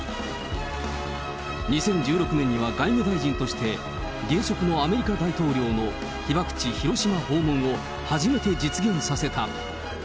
２０１６年には外務大臣として、現職のアメリカ大統領の被爆地、広島訪問を初めて実現させた。